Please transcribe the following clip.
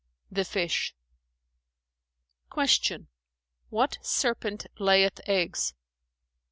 "The fish." Q "What serpent layeth eggs?"